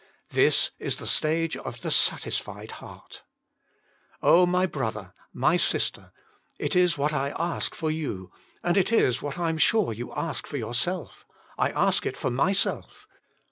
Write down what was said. This is the stage of tTbe eatfdffed beatt* Oh my brother, my sister! It is what I ask for you, and it is what I am sure Jesus Himself. 15 you ask for yourself. I ask it for my self.